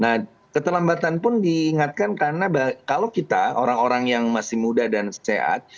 nah keterlambatan pun diingatkan karena kalau kita orang orang yang masih muda dan sehat